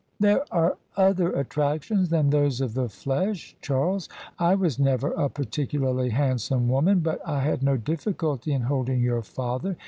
"There are other attractions than those of the flesh, Charles. I was never a particularly handsome woman, but I had no difficulty in holding your father.